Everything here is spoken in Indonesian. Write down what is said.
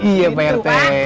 iya pak rete